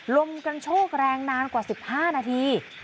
ลมกระโชกแรงนานกว่า๑๕นาที